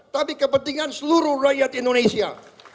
tapi kepentingan seluruh rakyat indonesia